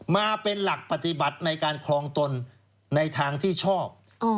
มาเป็นหลักปฏิบัติในการครองตนในทางที่ชอบ